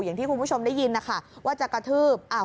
อย่างที่คุณผู้ชมได้ยินนะคะว่าจะกระทืบ